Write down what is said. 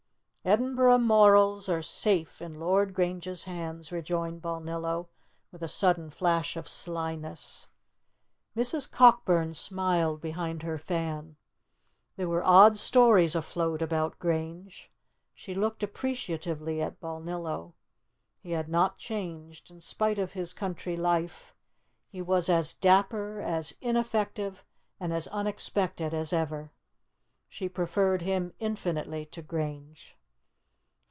"Edinburgh morals are safe in Lord Grange's hands," rejoined Balnillo, with a sudden flash of slyness. Mrs. Cockburn smiled behind her fan. There were odd stories afloat about Grange. She looked appreciatively at Balnillo. He had not changed, in spite of his country life; he was as dapper, as ineffective, and as unexpected as ever. She preferred him infinitely to Grange.